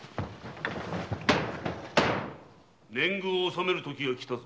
年貢を納めるときがきたぞ。